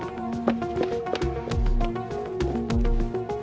ya knitting udah kok